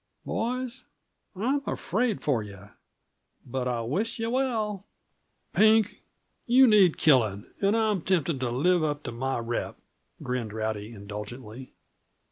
Boys, I'm afraid for yuh but I wish yuh well." "Pink, you need killing, and I'm tempted to live up to my rep," grinned Rowdy indulgently.